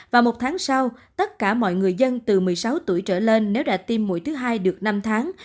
và một tháng sau tất cả mọi người dân từ một mươi sáu tuổi trở lên nếu đã tiêm mũi thứ hai được năm tháng